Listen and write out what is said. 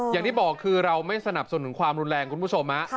อย่างที่บอกคือเราไม่สนับสนุนความรุนแรงคุณผู้ชม